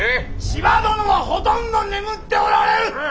千葉殿はほとんど眠っておられる。